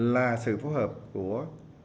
là sự phối hợp của